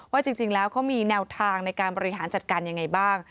ว่าจริงแล้วเขามีแนวทางในการบริหารจัดการยังไงบ้าง